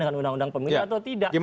dengan undang undang pemilu atau tidak